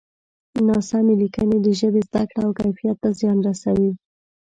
ناسمې لیکنې د ژبې زده کړه او کیفیت ته زیان رسوي.